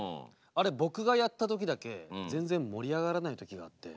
あれ僕がやった時だけ全然盛り上がらない時があって。